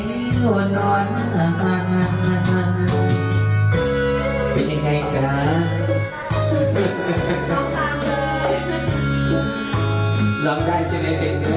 หลอมได้ใช่ไหมเป็นเนื้อ